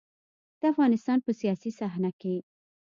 د افغانستان په سياسي صحنه کې.